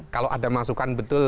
kalau ada masukan betul